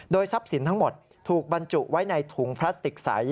ทรัพย์สินทั้งหมดถูกบรรจุไว้ในถุงพลาสติกใส